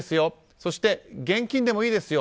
そして、現金でもいいですよ。